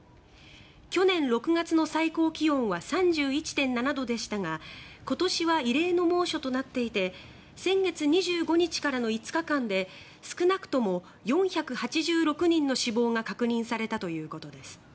去年６月の最高気温は３１．７度でしたが今年は異例の猛暑となっていて先月２５日からの５日間で少なくとも４８６人の死亡が確認されたということです。